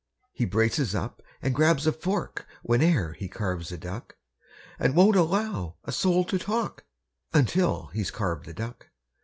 He braces up and grabs a fork Whene'er he carves a duck And won't allow a soul to talk Until he's carved the duck.